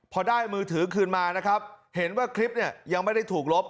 พอได้มือถือคืนมานะครับเห็นว่าคลิปเนี่ยยังไม่ได้ถูกลบ